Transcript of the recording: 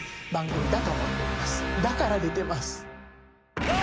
だから出てます。